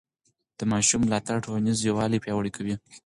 د ماشوم ملاتړ ټولنیز یووالی پیاوړی کوي.